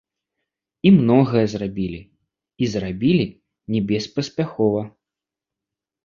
І многае зрабілі, і зрабілі небеспаспяхова.